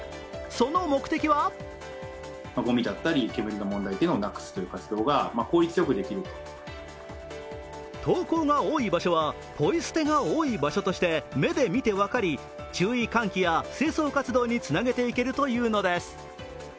その目的は投稿が多い場所はポイ捨てが多い場所として目で見て分かり、注意喚起や清掃活動につなげていけるというのです。